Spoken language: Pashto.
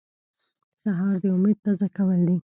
سهار د امید تازه کول دي.